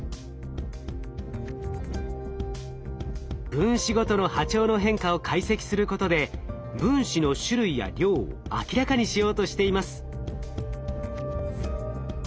分子ごとの波長の変化を解析することで分子の種類や量を明らかにしようとしています。